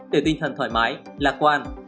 để tinh thần thoải mái lạc quan